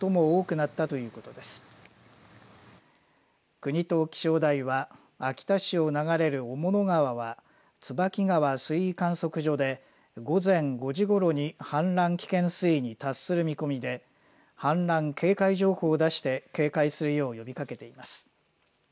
国と気象台は秋田市を流れる雄物川は椿川水位観測所で午前５時ごろに氾濫危険水位に達する見込みで氾濫警戒情報を出して警戒するよう呼びかけています。